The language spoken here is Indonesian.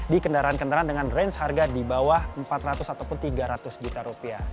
di kendaraan kendaraan dengan range harga di bawah empat ratus ataupun tiga ratus juta rupiah